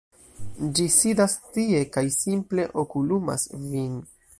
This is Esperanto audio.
ĝi sidas tie kaj simple okulumas vin.